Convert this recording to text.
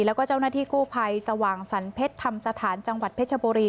แล้วก็เจ้าหน้าที่กู้ภัยสว่างสรรเพชรธรรมสถานจังหวัดเพชรบุรี